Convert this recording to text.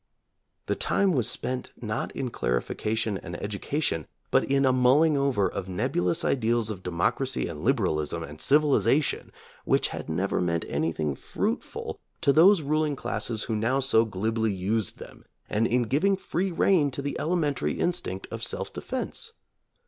The time was spent not in clarification and education, but in a mulling over of nebulous ideals of democracy and liberalism and civilization which had never meant anything fruitful to those ruling classes who now so glibly used them, and in giving free rein to the elementary instinct of self defense.